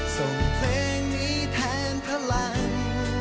ส่งเพลงนี้แทนพลัง